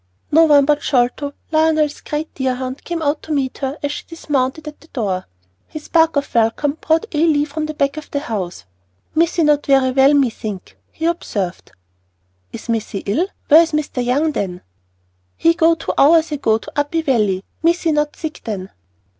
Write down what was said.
No one but Sholto, Lionel's great deerhound, came out to meet her as she dismounted at the door. His bark of welcome brought Ah Lee from the back of the house. "Missee not velly well, me thinkee," he observed. "Is Missy ill? Where is Mr. Young, then?" "He go two hours ago to Uppey Valley. Missee not sick then."